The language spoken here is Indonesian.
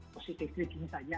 positifnya gini saja